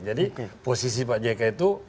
jadi posisi pak jk itu